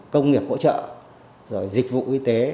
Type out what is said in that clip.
công nghiệp hỗ trợ rồi dịch vụ y tế